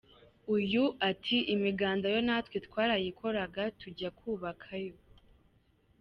Uyu ati “Imiganda yo natwe twarayikoraga tujya kubaka yo.